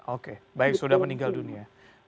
oke baik sudah meninggal dunia